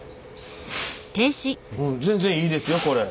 全然いいですよこれ。